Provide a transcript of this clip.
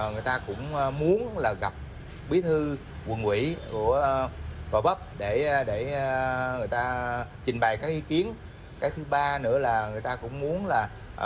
người ta cũng muốn là